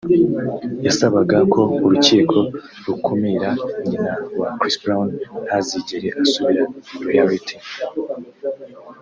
yasabaga ko urukiko rukumira nyina wa Chris Brown ntazigere asura Royalty